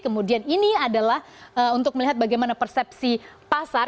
kemudian ini adalah untuk melihat bagaimana persepsi pasar